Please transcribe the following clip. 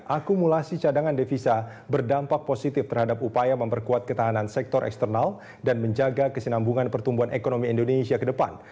akumulasi cadangan devisa berdampak positif terhadap upaya memperkuat ketahanan sektor eksternal dan menjaga kesinambungan pertumbuhan ekonomi indonesia ke depan